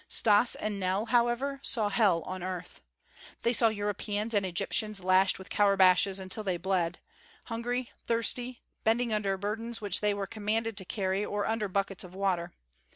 Stas and Nell, however, saw hell on earth. They saw Europeans and Egyptians lashed with courbashes until they bled; hungry, thirsty, bending under burdens which they were commanded to carry or under buckets of water.